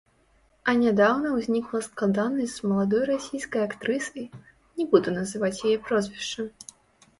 А нядаўна ўзнікла складанасць з маладой расійскай актрысай, не буду называць яе прозвішча.